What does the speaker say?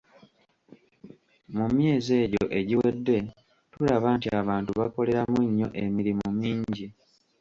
Mu myezi egyo egiwedde tulaba nti abantu bakoleramu nnyo emirimu mingi.